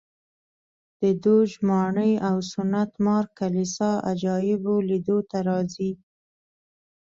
د دوج ماڼۍ او سنټ مارک کلیسا عجایبو لیدو ته راځي